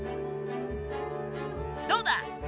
どうだ？